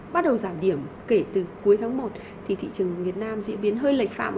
sau khi đã tăng đến đỉnh thì đã giảm